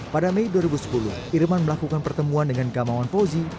pada mei dua ribu sepuluh irman melakukan pertemuan dengan gamawan fauzi